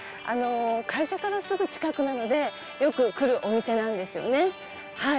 会社からすぐ近くなのでよく来るお店なんですよねはい。